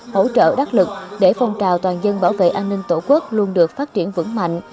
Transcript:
hỗ trợ đắc lực để phong trào toàn dân bảo vệ an ninh tổ quốc luôn được phát triển vững mạnh